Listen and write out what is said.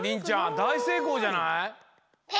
だいせいこうじゃない？